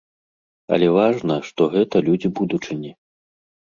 Але важна, што гэта людзі будучыні.